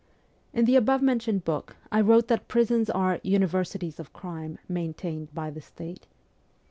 In the above mentioned book I wrote that prisons are ' universities of crime, maintained by the state.'